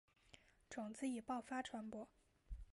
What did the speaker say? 种子以爆发传播。